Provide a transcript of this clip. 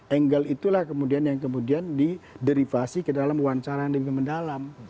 angle itulah kemudian yang kemudian diderivasi ke dalam wawancara yang lebih mendalam